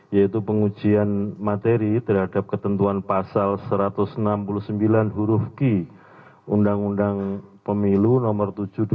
yaitu pengujian materi terhadap ketentuan pasal satu ratus enam puluh sembilan huruf g undang undang pemilu nomor tujuh dua ribu dua